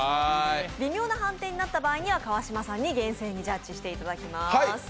微妙な判定になった場合には川島さんに厳正にジャッジしていただきます。